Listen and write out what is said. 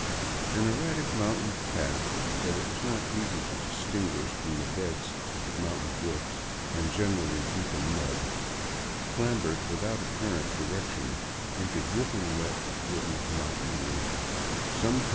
An erratic mountain path that it was not easy to distinguish from the beds of mountain brooks, and generally deep in mud, clambered without apparent direction into dripping wet wooden mountain ranges, sometim.